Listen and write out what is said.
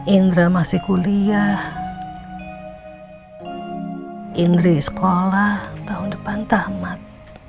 indra masih kuliah indri sekolah tahun depan tamat